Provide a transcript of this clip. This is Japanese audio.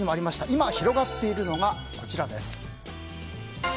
今広がっているのがこちらです。